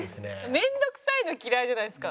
面倒くさいの嫌いじゃないですか。